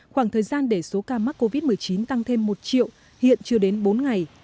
khoảng thời gian để số ca mắc covid một mươi chín tăng thêm một triệu hiện chưa đến bốn ngày